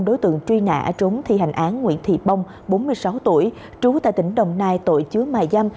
đối tượng truy nã trốn thi hành án nguyễn thị bông bốn mươi sáu tuổi trú tại tỉnh đồng nai tội chứa mài giam